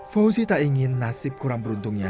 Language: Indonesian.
fauzi tak ingin nasib kurang beruntungnya